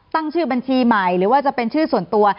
ตั้งชื่อบัญชีใหม่หรือว่าจะเป็นชื่อส่วนตัว